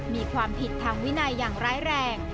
มีความผิดทางวินัยอย่างร้ายแรง